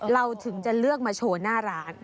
เราถึงจะเลือกมาโชว์หน้าร้าน